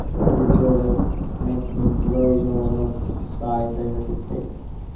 This role helped make him well-known outside the United States.